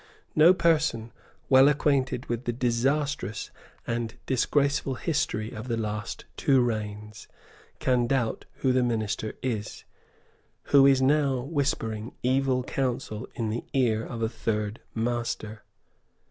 No person well acquainted with the disastrous and disgraceful history of the last two reigns can doubt who the minister is, who is now whispering evil counsel in the ear of a third master."